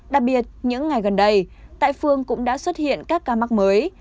đặc biệt những ngày gần đây tại phương cũng đã xuất hiện các ca mắc mới